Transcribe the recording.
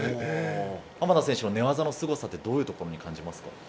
浜田選手の寝技のすごさはどういうところに感じますか？